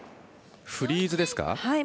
フリーズですか。